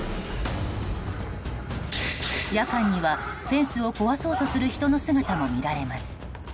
夜間にはフェンスを壊そうとする人の姿も見られます。